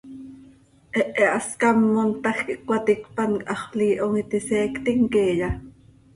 ¿Hehe hascám montaj quih cöcaticpan quih Haxöl Iihom iti seectim queeya?